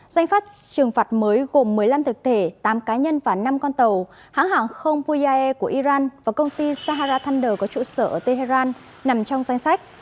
danh pháp trừng phạt mới gồm một mươi năm thực thể tám cá nhân và năm con tàu hãng hàng không puya của iran và công ty sahara tonder có trụ sở ở tehran nằm trong danh sách